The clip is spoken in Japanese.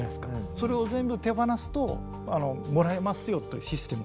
それを全部手放すともらえますよというシステムなんですよね。